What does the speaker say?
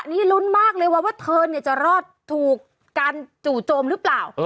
นี่ลุ้นมากเลยว่าเธอจะรอดถูกการจู่โจมหรือเปล่า